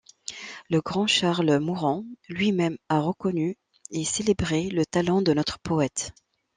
Le grand Charles Mauron lui-même a reconnu et célébré le talent de notre poète.